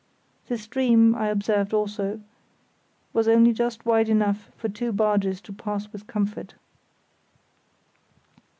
The stream, I observed also, was only just wide enough for two barges to pass with comfort.